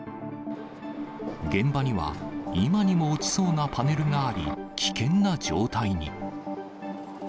現場には、今にも落ちそうなパネルがあり、危険な状態に。